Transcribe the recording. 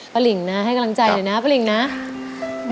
ป้าหลิงนะให้กำลังใจหน่อยนะป้าหลิงนะนะครับครับครับ